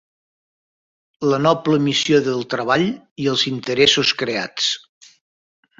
La Noble Missió del Treball i els Interessos Creats